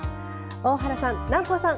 大原さん、南光さん